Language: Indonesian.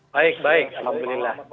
baik baik alhamdulillah